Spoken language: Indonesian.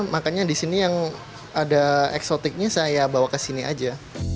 makanya di sini yang ada eksotiknya saya bawa ke sini aja